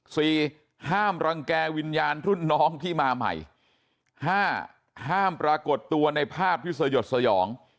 ห้ามรังแก่วิญญาณรุ่นน้องที่มาใหม่ห้าห้ามปรากฏตัวในภาพที่สยดสยอง